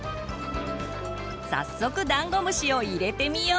早速ダンゴムシを入れてみよう！